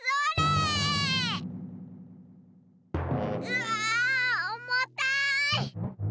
うわおもたい！